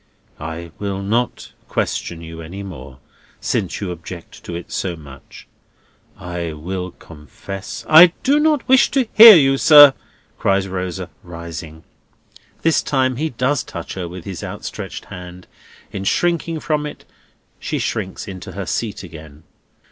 "I will not question you any more, since you object to it so much; I will confess—" "I do not wish to hear you, sir," cries Rosa, rising. This time he does touch her with his outstretched hand. In shrinking from it, she shrinks into her seat again.